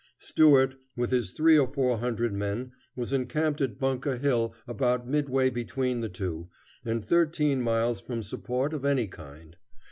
Stuart, with his three or four hundred men, was encamped at Bunker Hill, about midway between the two, and thirteen miles from support of any kind.